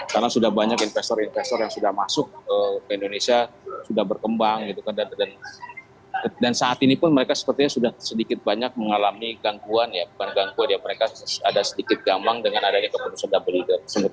karena sudah banyak investor investor yang sudah masuk ke indonesia sudah berkembang gitu kan dan saat ini pun mereka sepertinya sudah sedikit banyak mengalami gangguan ya bukan gangguan ya mereka ada sedikit gambang dengan adanya keputusan wto